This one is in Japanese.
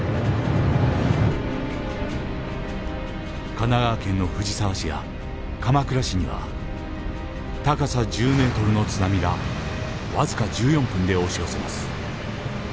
神奈川県の藤沢市や鎌倉市には高さ１０ｍの津波が僅か１４分で押し寄せます。